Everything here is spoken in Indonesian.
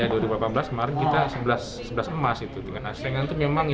jadi di dua ribu delapan belas kita sebelas emas itu tingkat asean itu memang ya